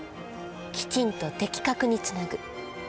きちんと的確につなぐ。